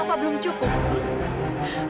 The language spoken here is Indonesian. saya biarkan biomedicala anda hidup di dunia